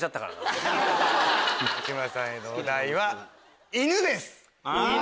内村さんへのお題は犬です。